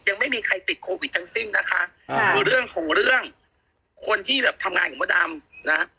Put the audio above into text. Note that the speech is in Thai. ยังไม่มีใครติดโควิดทั้งสิ้นนะคะถูกเรื่องคนที่ทำงานของแม่ดำนะ